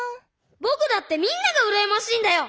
ぼくだってみんながうらやましいんだよ！